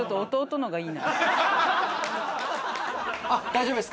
大丈夫ですか？